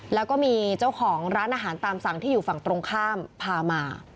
แล้วก็มีเจ้าของร้านอาหารตามสั่งที่อยู่ฝั่งตรงข้ามพามา